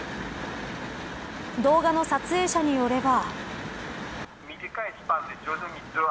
動画の撮影者によれば。